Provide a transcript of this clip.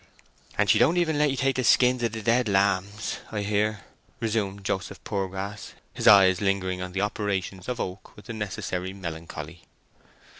"And she don't even let ye have the skins of the dead lambs, I hear?" resumed Joseph Poorgrass, his eyes lingering on the operations of Oak with the necessary melancholy.